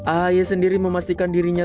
ahi sendiri memastikan dirinya